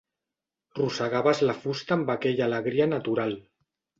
Rosegaves la fusta amb aquella alegria natural.